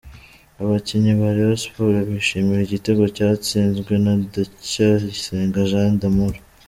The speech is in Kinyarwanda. Abakinnyi ba Rayon Sports bishimira igitego cyatsinzwe na Ndacyayisenga Jean d'Amour.